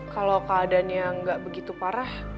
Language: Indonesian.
kalau keadaannya nggak begitu parah